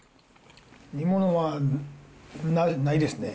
煮物はないですね。